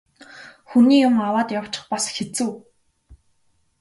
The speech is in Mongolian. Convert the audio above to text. Хүний юм аваад явчих бас хэцүү.